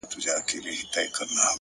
هره ستونزه د نوې لارې پیل وي!